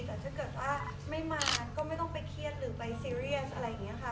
แต่ถ้าเกิดว่าไม่มาก็ไม่ต้องไปเครียดหรือไปซีเรียสอะไรอย่างนี้ค่ะ